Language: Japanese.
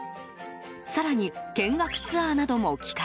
更に、見学ツアーなども企画。